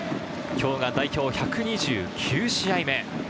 今日が代表１２９試合目。